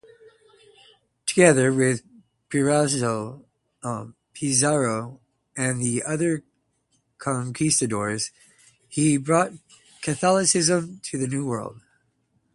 Together with Pizarro and the other conquistadors he brought Catholicism to the New World.